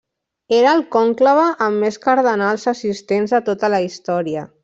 Era el conclave amb més cardenals assistents de tota la història.